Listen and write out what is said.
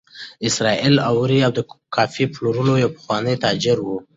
اسراییل اوري د کافي پلورلو یو پخوانی تاجر و.